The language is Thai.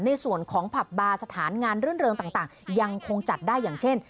ในส่วนของผับบาร์สถานงานรื่นเริงต่างยังคงจัดได้อย่างเช่น